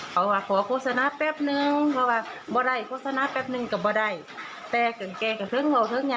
เขาก็ขอโฆษณาแป๊บนึง